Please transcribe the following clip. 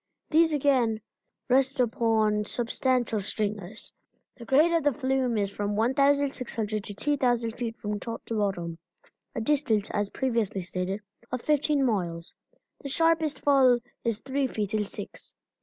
These again rest upon substantial stringers. The grade of the flume is from 1,600 to 2,000 feet from top to bottom a distance, as previously stated, of fifteen miles. The sharpest fall is three feet in six.